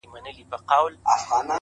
جانه ته ځې يوه پردي وطن ته،